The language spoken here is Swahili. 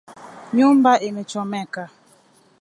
Nyumba imechomeka